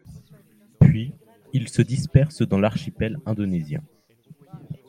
Puis, ils se dispersent dans l'archipel indonésien.